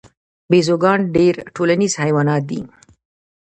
بیزوګان ډیر ټولنیز حیوانات دي